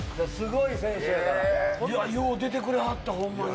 いやよう出てくれはったホンマに。